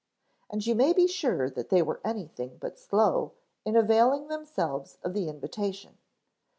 And you may be sure that they were anything but slow in availing themselves of the invitation.